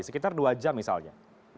sekitar dua jam misalnya